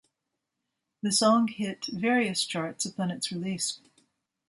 The song hit various charts upon its release.